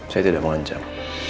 saya tidak mengancam